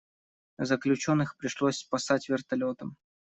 Заключенных пришлось спасать вертолётом.